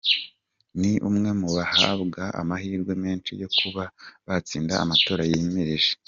Ni umwe mu bahabwaga amahirwe menshi yo kuba batsinda amatora yimirije.